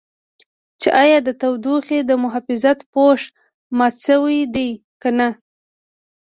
چې ایا د تودوخې د محافظت پوښ مات شوی دی که نه.